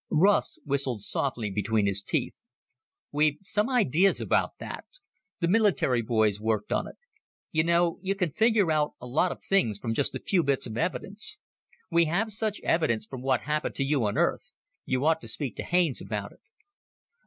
Russ whistled softly between his teeth. "We've some ideas about that. The military boys worked on it. You know you can figure out a lot of things from just a few bits of evidence. We have such evidence from what happened to you on Earth. You ought to speak to Haines about it."